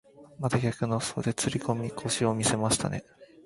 また逆の袖釣り込み腰を見せましたね。